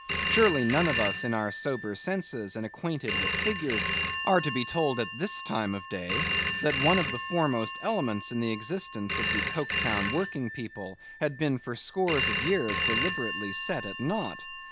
Surely, none of us in our sober senses and acquainted with figures, are to be told at this time of day, that one of the foremost elements in the existence of the Coketown working people had been for scores of years, deliberately set at nought?